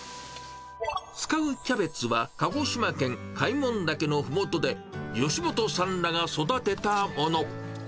使うキャベツは鹿児島県開聞岳のふもとで吉元さんらが育てたもの。